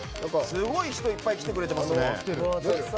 すごい人がいっぱい来てくれてますね。